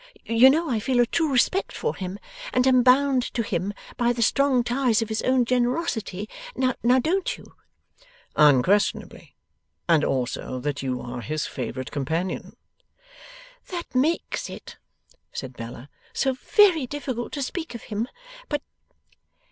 You know I feel a true respect for him, and am bound to him by the strong ties of his own generosity; now don't you?' 'Unquestionably. And also that you are his favourite companion.' 'That makes it,' said Bella, 'so very difficult to speak of him. But